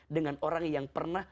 dengan orang yang pernah